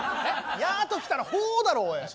「ヤー」ときたら「ホー」だろおい！